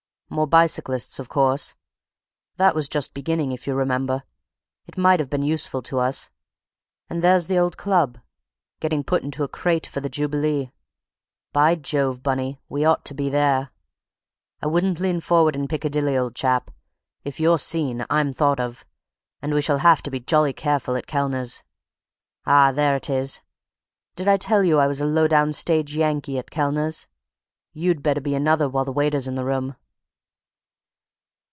... More bicyclists, of course. That was just beginning, if you remember. It might have been useful to us.... And there's the old club, getting put into a crate for the Jubilee; by Jove, Bunny, we ought to be there. I wouldn't lean forward in Piccadilly, old chap. If you're seen I'm thought of, and we shall have to be jolly careful at Kellner's.... Ah, there it is! Did I tell you I was a low down stage Yankee at Kellner's? You'd better be another, while the waiter's in the room."